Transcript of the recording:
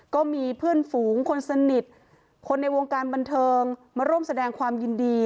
ก็มีเพื่อนฝูงคนสนิทคนในวงการบันเทิงมาร่วมแสดงความยินดี